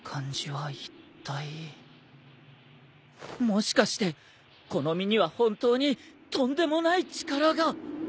もしかしてこの身には本当にとんでもない力が。